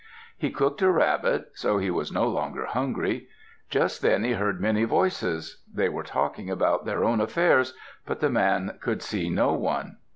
He cooked a rabbit, so he was no longer hungry. Just then he heard many voices. They were talking about their own affairs. But the man could see no one.